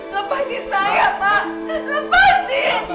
lepasin saya pak lepasin